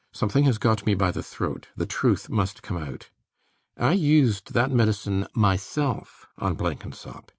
Something has got me by the throat: the truth must come out. I used that medicine myself on Blenkinsop.